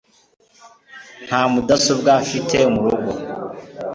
Nta mudasobwa mfite murugo